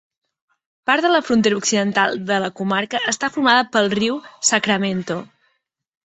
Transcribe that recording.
Part de la frontera occidental de la comarca està formada pel riu Sacramento.